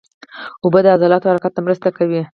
اوبه د عضلو حرکت ته مرسته کوي